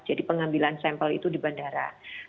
jadi pengambilan sampel itu di bandara